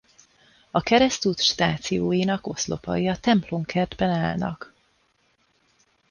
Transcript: A keresztút stációinak oszlopai a templomkertben állnak.